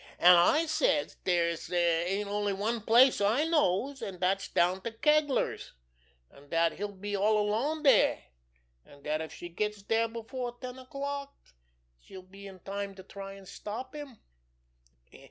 An' I says dere ain't only one place I knows, an' dat's down to Kegler's, an' dat he'll be all alone dere, an' dat if she gets dere before ten o'clock she'll be in time to try an' stop him.